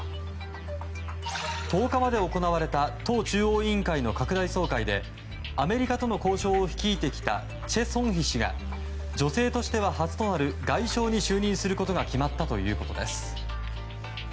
１０日まで行われた党中央委員会の拡大総会でアメリカとの交渉を率いてきたチェ・ソンヒ氏が女性としては初となる外相に就任することが決まったということです。